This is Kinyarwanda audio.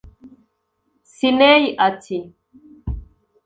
Ciney ati